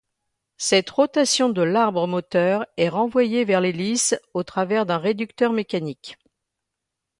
Cette rotation de l'arbre moteur est renvoyée vers l'hélice au travers d'un réducteur mécanique.